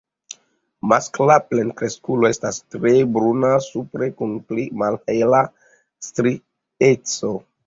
Maskla plenkreskulo estas tre bruna supre kun pli malhela strieco.